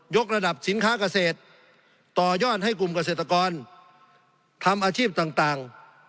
กระดับสินค้าเกษตรต่อยอดให้กลุ่มเกษตรกรทำอาชีพต่าง